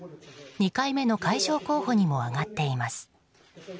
２回目の会場候補にも挙がっています。